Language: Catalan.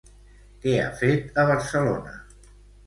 Què ha fet a Barcelona?